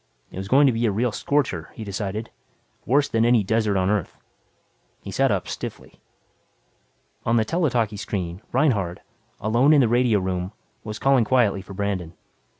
It was going to be a real scorcher, he decided; worse than any desert on Earth. He sat up stiffly. On the tele talkie screen, Reinhardt, alone in the radio room, was calling quietly for Brandon.